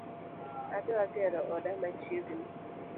Adwa gero oda machiegni